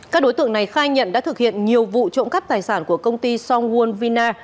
các đối tượng này khai nhận đã thực hiện nhiều vụ trộm cắp tài sản của công ty somwon vina